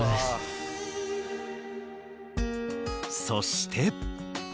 そして。